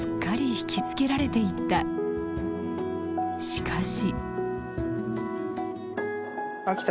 しかし。